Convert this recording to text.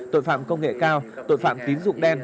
tội phạm công nghệ cao tội phạm tín dụng đen